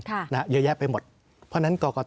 ที่การแสงความคิดเห็นด้านกล่าวนั้นไม่ขัดต่อกฎหมาย